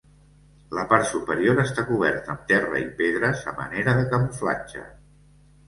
La part superior està coberta amb terra i pedres, a manera de camuflatge.